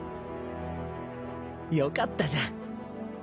よかったじゃん！